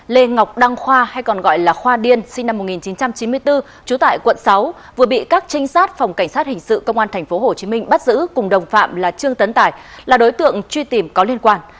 lê ngọc đăng khoa hay còn gọi là khoa điên sinh năm một nghìn chín trăm chín mươi bốn trú tại quận sáu vừa bị các trinh sát phòng cảnh sát hình sự công an tp hcm bắt giữ cùng đồng phạm là trương tấn tải là đối tượng truy tìm có liên quan